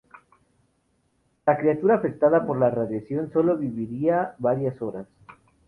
La criatura, afectada por la radiación, sólo viviría varias horas.